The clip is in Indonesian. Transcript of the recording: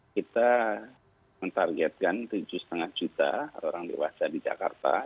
ya jadi benar kita menargetkan tujuh lima juta orang dewasa di jakarta